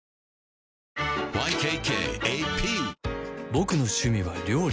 ボクの趣味は料理